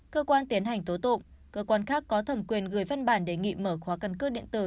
cơ quan tiến hành tố tụng cơ quan khác có thẩm quyền gửi văn bản đề nghị mở khóa căn cước điện tử